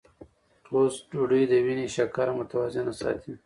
ټوسټ ډوډۍ د وینې شکره متوازنه ساتي.